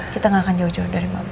kita gak akan jauh jauh dari mama